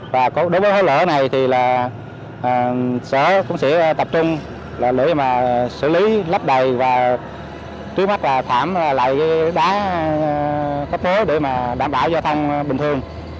và đối với cái lễ này thì là sở cũng sẽ tập trung là để mà xử lý lấp đầy và trước mắt là thảm lại cái đá cấp ngớ để mà đảm bảo giao thông bình thường